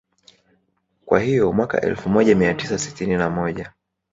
Kwa hiyo Mwaka elfu moja mia tisa sitini na moja